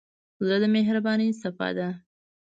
زړه د مهربانۍ څپه ده.